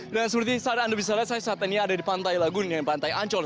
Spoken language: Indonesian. dan seperti anda bisa lihat saya saat ini ada di pantai lagun yang pantai ancol